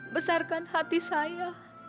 besarkan hati saya